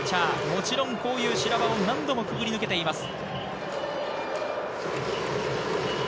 もちろんこういう修羅場を何度もくぐり抜けています。